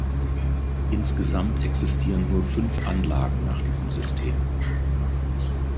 Insgesamt existierten nur fünf Anlagen nach diesem System.